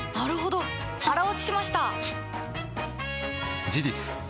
腹落ちしました！